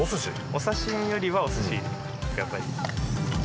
お刺身よりは、おすし、やっぱり。